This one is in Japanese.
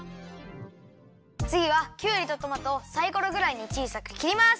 つぎはきゅうりとトマトをサイコロぐらいにちいさくきります。